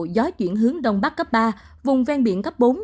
gió chuyển hướng đông bắc cấp ba vùng ven biển cấp bốn